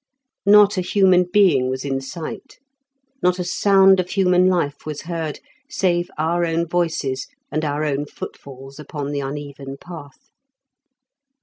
Not a human being was in sight ; not a sound of human life was heard, save our own voices and our own footfalls upon the uneven path.